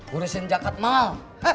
gua resen jakart mall